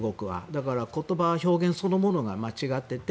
だから、言葉の表現そのものが間違っていて。